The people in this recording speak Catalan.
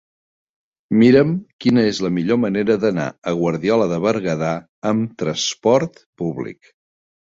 Mira'm quina és la millor manera d'anar a Guardiola de Berguedà amb trasport públic.